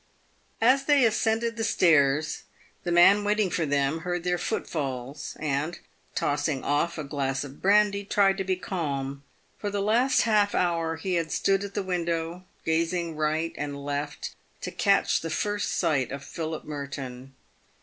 As they ascended the stairs, the man waiting for them heard their footfalls, and, tossing off a glass of brandy, tried to be calm. For the last half hour he had stood at the window, gazing right and left to catch the first sight of Philip Merton.